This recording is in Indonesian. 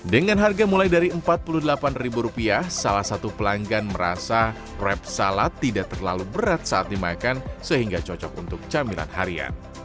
dengan harga mulai dari rp empat puluh delapan salah satu pelanggan merasa rep salad tidak terlalu berat saat dimakan sehingga cocok untuk camilan harian